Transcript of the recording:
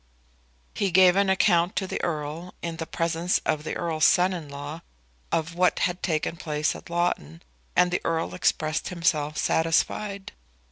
He gave an account to the Earl, in the presence of the Earl's son in law, of what had taken place at Loughton, and the Earl expressed himself as satisfied.